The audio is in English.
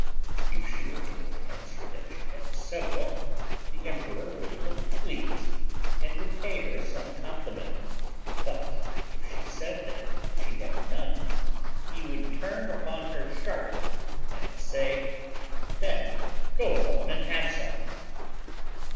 If she were able to answer that she had several the emperor would look pleased and would pay her some compliment; but if she said that she had none he would turn upon her sharply and say: "Then go home and have some!"